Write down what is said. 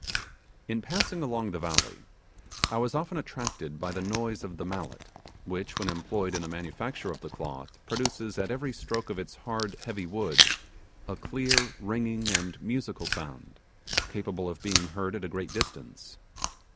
In passing along the valley, I was often attracted by the noise of the mallet, which, when employed in the manufacture of the cloth produces at every stroke of its hard, heavy wood, a clear, ringing, and musical sound, capable of being heard at a great distance.